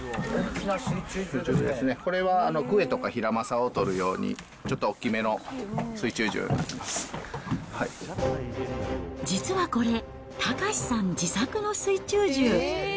これはクエとかヒラマサを取るように、ちょっと大きめの水中実はこれ、岳さん自作の水中銃。